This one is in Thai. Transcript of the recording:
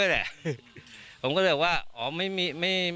อาจารย์หลวงพี่ก็ยังไม่นอนว่าจะขอให้อยู่